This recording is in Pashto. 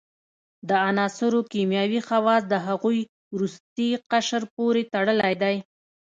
د عناصرو کیمیاوي خواص د هغوي وروستي قشر پورې تړلی دی.